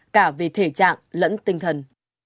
cả về thể trạng lẫn tinh thần